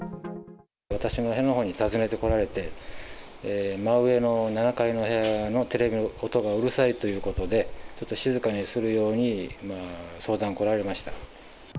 私の部屋のほうに訪ねて来られて、真上の７階の部屋のテレビの音がうるさいということで、ちょっと静かにするように、相談に来られました。